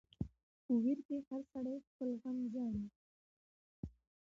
په ویر کی هر سړی خپل غم ژاړي .